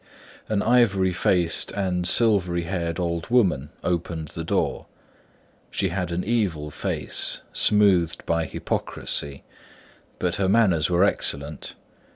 An ivory faced and silvery haired old woman opened the door. She had an evil face, smoothed by hypocrisy: but her manners were excellent.